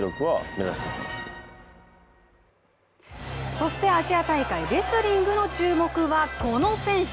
そしてアジア大会レスリングの注目は、この選手。